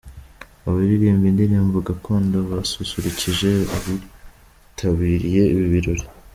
Abaririmba indirimbo gakondo basusurukije abitabiriye ibi birori.